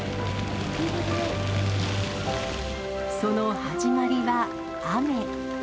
その始まりは雨。